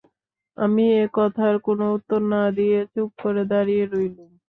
আমি এ কথার কোনো উত্তর না দিয়ে চুপ করে দাঁড়িয়ে রইলুম।